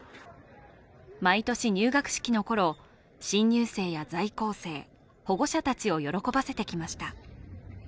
毎年、入学式の頃、新入生や在校生、保護者たちを喜ばせてきました。